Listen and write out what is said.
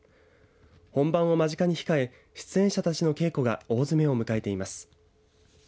本番を間近に控え出演者たちの稽古が大詰めを迎えています。